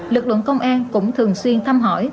lực lượng công an cũng thường xuyên thăm hỏi